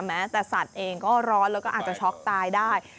แม้แต่สัตว์เองก็ร้อนแล้วก็อาจจะช็อกตายได้